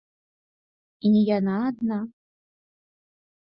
І не яна адна.